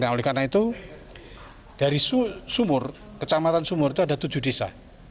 nah oleh karena itu dari sumur kecamatan sumur itu ada tujuh desa